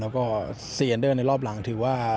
แล้วก็ซีเอ็นเดอร์ในรอบหลังถือว่า